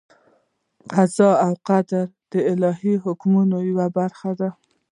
قضا او قدر د الهي حکمت یوه برخه ده.